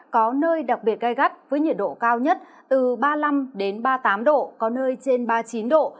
có nơi đặc biệt gai gắt với nhiệt độ cao nhất từ ba mươi năm ba mươi tám độ có nơi trên ba mươi chín độ